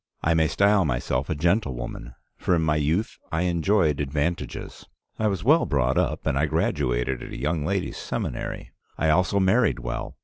I may style myself a gentlewoman, for in my youth I enjoyed advantages. I was well brought up, and I graduated at a young ladies' seminary. I also married well.